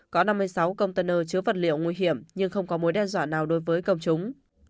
có năm mươi sáu container chứa vật liệu nguy hiểm nhưng không có mối đe dọa nào đối với công chúng